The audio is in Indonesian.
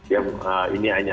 yang ini hanya